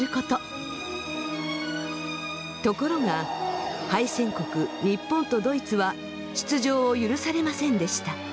ところが敗戦国日本とドイツは出場を許されませんでした。